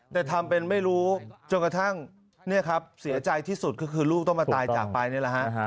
แต่ทำเป็นไม่รู้จนกระทั่งเนี่ยครับเสียใจที่สุดก็คือลูกต้องมาตายจากไปนี่แหละฮะ